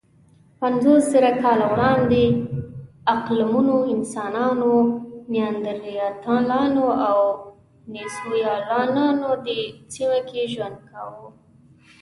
پنځوسزره کاله وړاندې عقلمنو انسانانو، نیاندرتالانو او دنیسووایانو دې سیمه کې ژوند کاوه.